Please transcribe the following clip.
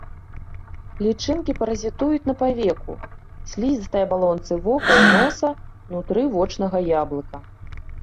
Лічынкі паразітуюць на павеку, слізістай абалонцы вока і носа, унутры вочнага яблыка.